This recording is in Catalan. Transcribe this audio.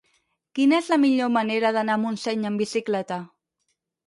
Quina és la millor manera d'anar a Montseny amb bicicleta?